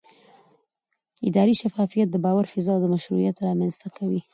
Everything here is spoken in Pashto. اداري شفافیت د باور فضا او مشروعیت رامنځته کوي